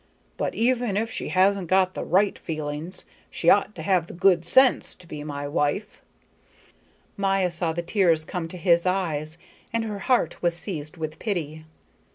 But even if she hasn't got the right feelings, she ought to have the good sense to be my wife." Maya saw the tears come to his eyes, and her heart was seized with pity.